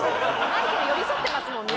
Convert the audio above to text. マイケル寄り添ってますもんね。